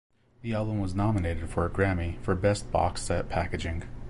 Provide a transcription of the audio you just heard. The album was nominated for a Grammy for Best Boxed Set Packaging.